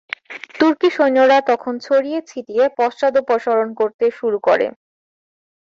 তুর্কি সৈন্যরা তখন ছড়িয়ে ছিটিয়ে পশ্চাদপসরণ করতে শুরু করে।